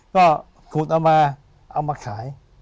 ก็ขุดเอามาเอามาขาย